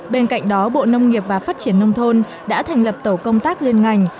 bên cạnh đó bộ nông nghiệp và phát triển nông thôn đã thành lập tổ công tác liên ngành